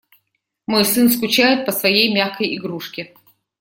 Мой сын скучает по своей мягкой игрушке.